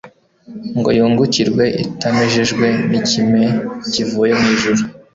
ngo yungukirwe itamejejwe n'ikime kivuye mu ijuru.